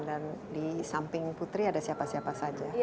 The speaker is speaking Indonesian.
dan di samping putri ada siapa siapa saja